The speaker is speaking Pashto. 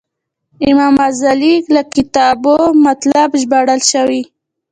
له امام غزالي له کتابو مطالب ژباړل شوي.